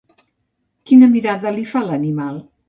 Quina mirada li fa l'animal?